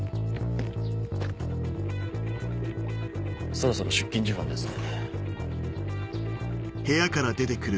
そろそろ出勤時間ですね。